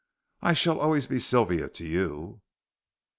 "I shall always be Sylvia to you."